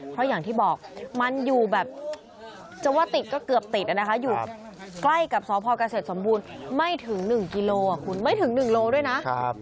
เพราะอย่างที่บอกมันอยู่แบบจะว่าติดก็เกือบติดนะคะอยู่ใกล้กับสพเกษตรสมบูรณ์ไม่ถึง๑กิโลคุณไม่ถึง๑โลด้วยนะ